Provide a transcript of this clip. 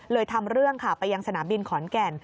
ทำเรื่องค่ะไปยังสนามบินขอนแก่น